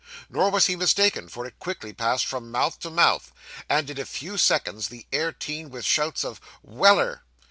Nor was he mistaken, for it quickly passed from mouth to mouth, and in a few seconds the air teemed with shouts of 'Weller!